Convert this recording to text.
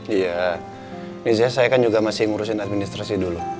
iya biasanya saya kan juga masih ngurusin administrasi dulu